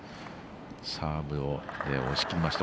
サーブを押し切りました。